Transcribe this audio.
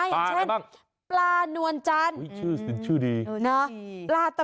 อย่างเช่นปลานวนจันทร์